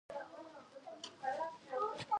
مالټې د هډوکو قوت زیاتوي.